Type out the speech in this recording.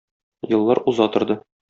Еллар уза торды.